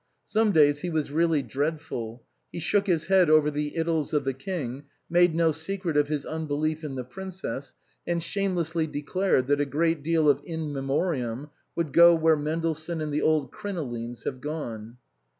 Some days he was really dreadful ; he shook his head over the Idylls of the King, made no secret of his unbelief in The Princess, and shamelessly declared that a great deal of In Memoriam would go where Mendelssohn and the old crinolines have gone.